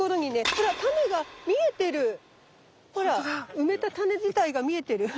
埋めたタネ自体が見えてる。